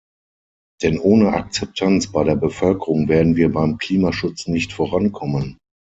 Denn ohne Akzeptanz bei der Bevölkerung werden wir beim Klimaschutz nicht vorankommen.